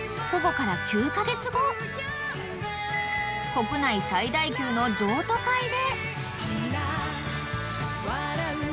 ［国内最大級の譲渡会で］